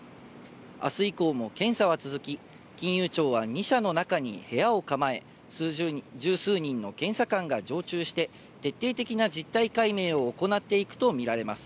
あす以降も検査は続き、金融庁は２社の中に部屋を構え、十数人の検査官が常駐して、徹底的な実態解明を行っていくと見られます。